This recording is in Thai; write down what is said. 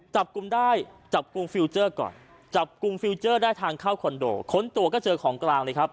จับกลุ่มได้จับกลุ่มก่อนจับกลุ่มได้ทางเข้าคอนโดขนตัวก็เจอของกลางเลยครับ